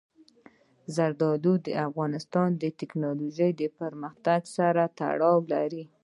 زردالو د افغانستان د تکنالوژۍ پرمختګ سره تړاو لري.